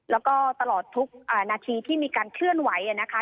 แล้วก็ตลอดทุกนาทีที่มีการเคลื่อนไหวนะคะ